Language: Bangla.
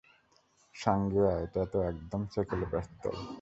সাঙ্গেয়া, এটা তো একদম সেকেলে পিস্তল।